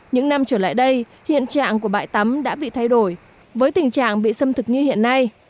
những năm trở lại đây hiện trạng của bãi tắm đã bị thay đổi với tình trạng bị xâm thực như hiện nay